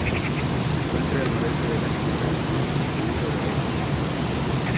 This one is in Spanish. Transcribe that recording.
Se encuentra al noroeste de la Línea Verde, en el Distrito de Haifa.